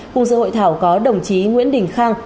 cùng dự hội thảo có đồng chí nguyễn đình khang